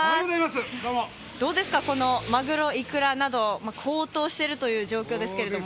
どうですか、このまぐろ、いくらなど高騰しているという状況ですけれども？